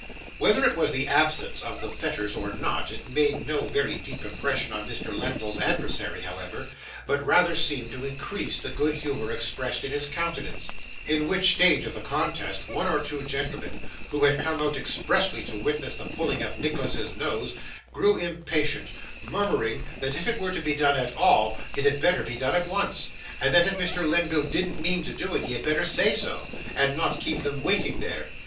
Whether it was the absence of the fetters or not, it made no very deep impression on Mr. Lenville's adversary, however, but rather seemed to increase the good humour expressed in his countenance; in which stage of the contest, one or two gentlemen, who had come out expressly to witness the pulling of Nicholas's nose, grew impatient, murmuring that if it were to be done at all it had better be done at once, and that if Mr Lenville didn't mean to do it he had better say so, and not keep them waiting there.